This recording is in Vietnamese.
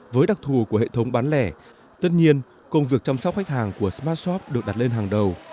với đặc thù của hệ thống bán lẻ tất nhiên công việc chăm sóc khách hàng của smartshop được đặt lên hàng đầu